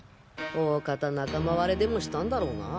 おおかた仲間割れでもしたんだろうな。